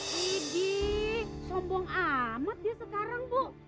sibih sombong amat dia sekarang bu